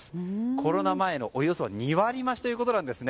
コロナ前のおよそ２割増しということなんですね。